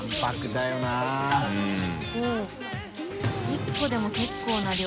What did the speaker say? １個でも結構な量。